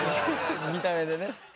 ・見た目でね・